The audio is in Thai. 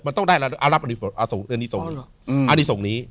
มันต้องได้อารับอนิสงศ์อนิสงศ์นี้